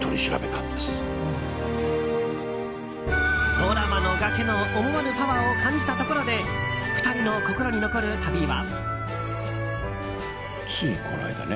ドラマの崖の思わぬパワーを感じたところで２人の心に残る旅は。